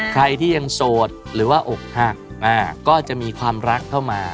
ใครที่ยังโสดหรือว่าอกหักก็จะมีความรักเข้ามา